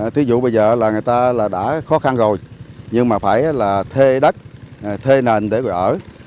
thí dụ bây giờ là người ta đã khó khăn rồi nhưng mà phải là thê đất thê nền để người ở